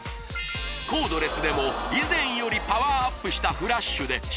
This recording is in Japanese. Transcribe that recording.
コードレスでも以前よりパワーアップしたフラッシュでしっかりケアでき